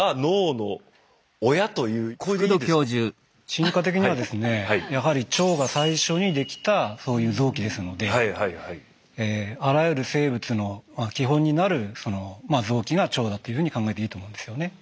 進化的にはですねやはり腸が最初にできたそういう臓器ですのであらゆる生物の基本になる臓器が腸だというふうに考えていいと思うんですよね。